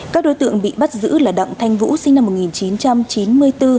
các đối tượng bị bắt giữ là đặng thanh vũ sinh năm một nghìn chín trăm chín mươi bốn